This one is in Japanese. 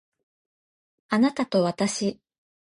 あなたとわたし